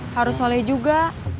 harus soleh juga